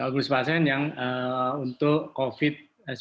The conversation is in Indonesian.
sepuluh persen yang untuk covid sembilan belas